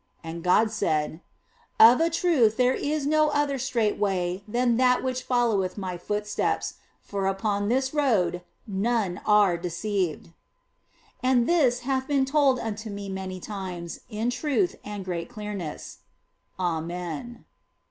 And God said " Of a truth there is no other straight way than that which followeth My footsteps, for upon this road none are deceived." 252 THE BLESSED ANGELA And this hath been told unto me many times in truth and great clearness. Amen.